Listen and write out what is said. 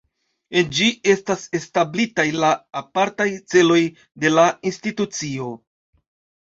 En ĝi estas establitaj la apartaj celoj de la institucio.